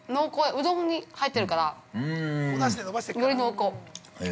うどんに入ってるから。より濃厚。